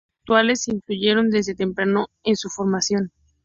Las preocupaciones intelectuales influyeron desde temprano en su formación.